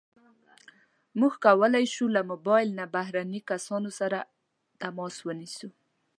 موږ کولی شو له موبایل نه بهرني کسان سره تماس ونیسو.